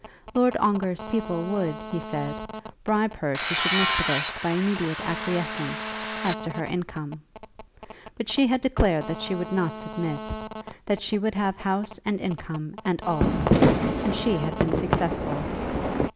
Lord Ongar's people would, he said, bribe her to submit to this by immediate acquiescence as to her income. But she had declared that she would not submit, that she would have house and income and all; and she had been successful.